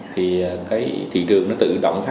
thì cái thị trường nó tự động